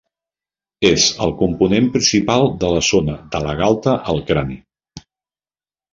És el component principal de la zona de la galta al crani.